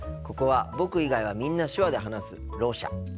ここは僕以外はみんな手話で話すろう者。